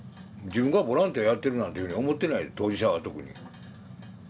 自分がボランティアやってるなんていうふうに思ってない当事者は特に。